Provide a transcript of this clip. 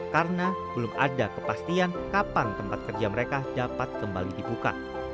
karena belum ada kepastian kapan tempat kerja mereka dapat kembali dibuka